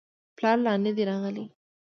پلار لا نه دی راغلی.